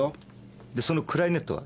でそのクラリネットは？